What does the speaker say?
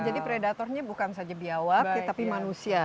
jadi predatornya bukan saja biawak tapi manusia